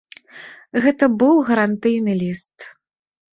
Гэта быў гарантыйны ліст.